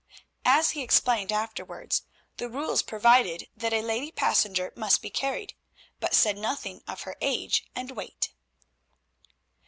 As he explained afterwards, the rules provided that a lady passenger must be carried, but said nothing of her age and weight.